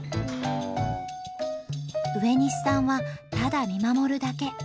植西さんはただ見守るだけ。